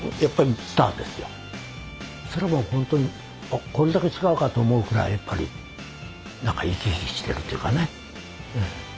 それもうほんとにこれだけ違うかと思うぐらいやっぱりなんか生き生きしてるっていうかね。